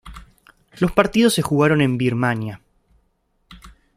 Los partidos se jugaron en Birmania.